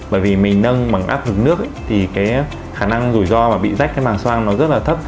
bởi vì mình nâng bằng áp hướng nước thì khả năng rủi ro mà bị rách cái màng xoang nó rất là thấp